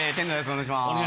お願いします。